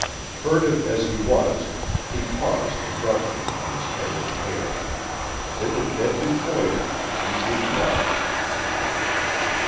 Furtive as he was, he paused to brush them from his head and hair. They were deadly poison, as he knew well.